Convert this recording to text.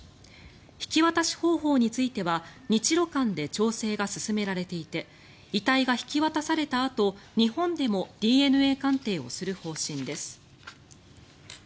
引き渡し方法については日ロ間で調整が進められていて遺体が引き渡されたあと日本でもＤＮＡ鑑定をする方針です。